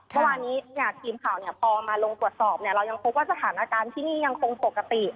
เมื่อวานนี้ทีมข่าวต่อมาลงตรวจสอบเรายังคงว่าสถานการณ์ที่นี่ยังคงปกติ